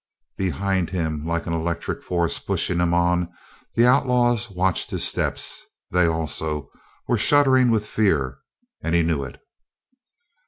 Behind him, like an electric force pushing him on, the outlaws watched his steps. They, also, were shuddering with fear, and he knew it.